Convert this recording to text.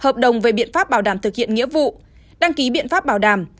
cùng với biện pháp bảo đảm thực hiện nghĩa vụ đăng ký biện pháp bảo đảm